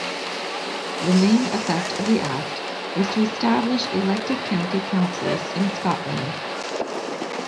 The main effect of the Act was to establish elected county councils in Scotland.